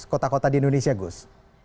kota kota di indonesia gus